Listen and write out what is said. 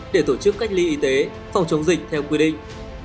để tổ chức cách ly y tế phòng chống dịch theo quy định